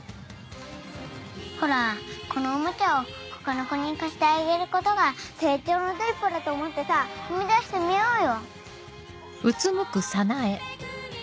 ほらこのおもちゃを他の子に貸してあげることが成長の第一歩だと思ってさ踏み出してみようよ。